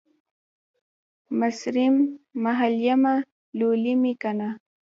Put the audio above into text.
مصریم ، محل یمه ، لولی مې کنه